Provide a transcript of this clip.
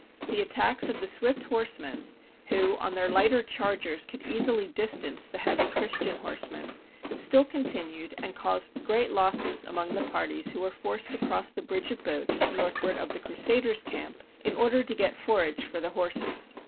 The attacks of the swift horsemen, who, on their lighter chargers could easily distance the heavy Christian horsemen, still continued and caused great losses among the parties who were forced to cross the bridge of boats northward of the Cru saders' camp in order to get forage for the horses.